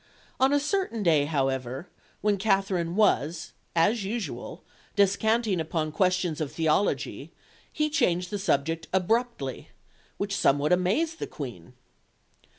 On a certain day, however, when Katherine was, as usual, descanting upon questions of theology, he changed the subject abruptly, "which somewhat amazed the Queen."